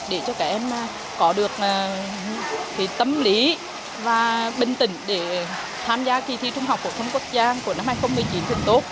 để cho các em có được tâm lý và bình tĩnh để tham gia kỳ thi trung học phổ thông quốc gia của năm hai nghìn một mươi chín thường tốt